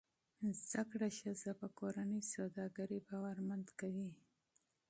زده کړه ښځه په کورني سوداګرۍ باورمند کوي.